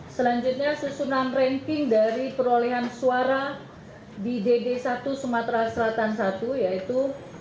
selanjutnya susunan ranking dari perolehan suara di dd satu sumatera selatan satu yaitu